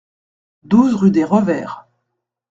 douze rue des Revers